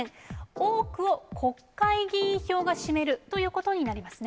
多くを国会議員票が占めるということになりますね。